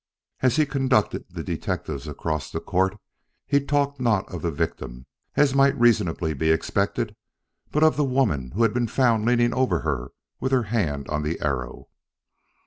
As he conducted the detectives across the court, he talked not of the victim, as might reasonably be expected, but of the woman who had been found leaning over her with her hand on the arrow.